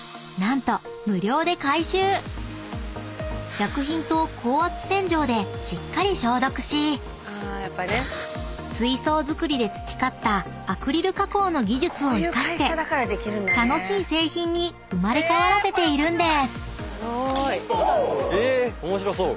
［薬品と高圧洗浄でしっかり消毒し水槽作りで培ったアクリル加工の技術を生かして楽しい製品に生まれ変わらせているんです］